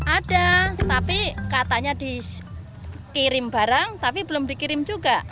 ada tapi katanya dikirim barang tapi belum dikirim juga